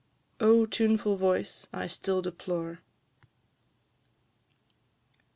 OH, TUNEFUL VOICE! I STILL DEPLORE.